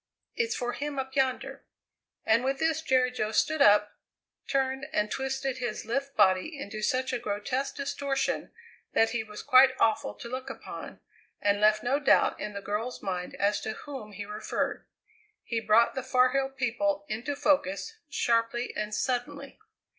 "It's for him up yonder." And with this Jerry Jo stood up, turned and twisted his lithe body into such a grotesque distortion that he was quite awful to look upon, and left no doubt in the girl's mind as to whom he referred. He brought the Far Hill people into focus, sharply and suddenly.